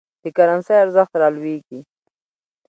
د کرنسۍ ارزښت رالویږي.